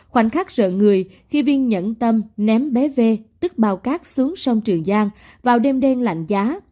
khoảnh khắc sợ người khi viên nhẫn tâm ném bé ve tức bào cát xuống sông trường giang vào đêm đen lạnh giá